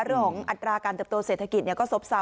เรื่องของอัตราการเติบโตเศรษฐกิจเนี่ยก็สบเสา